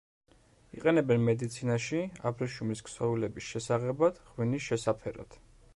იყენებენ მედიცინაში, აბრეშუმის ქსოვილების შესაღებად, ღვინის შესაფერად.